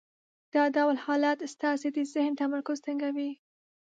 دا ډول حالت ستاسې د ذهن تمرکز تنګوي.